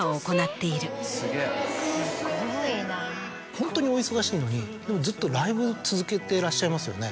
ホントにお忙しいのにでもずっとライブ続けてらっしゃいますよね。